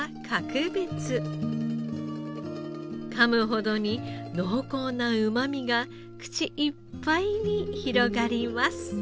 かむほどに濃厚なうまみが口いっぱいに広がります。